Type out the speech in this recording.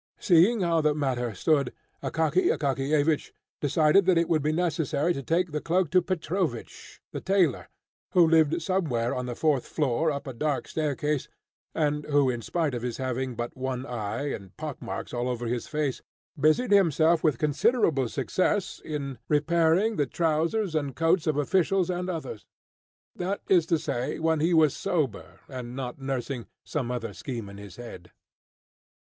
Seeing how the matter stood, Akaky Akakiyevich decided that it would be necessary to take the cloak to Petrovich, the tailor, who lived somewhere on the fourth floor up a dark staircase, and who, in spite of his having but one eye and pock marks all over his face, busied himself with considerable success in repairing the trousers and coats of officials and others; that is to say, when he was sober and not nursing some other scheme in his head.